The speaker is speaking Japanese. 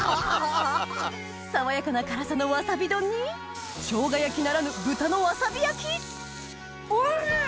爽やかな辛さのわさび丼にしょうが焼きならぬ豚のわさび焼きおいしい！